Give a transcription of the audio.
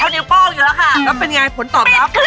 แล้วเป็นยังไงผลตอบครับ